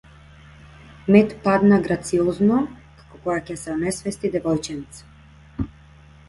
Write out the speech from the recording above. Мет падна грациозно, како кога ќе се онесвести девојченце.